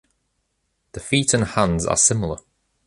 The feet and hands are similar.